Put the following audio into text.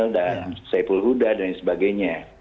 dan saiful huda dan sebagainya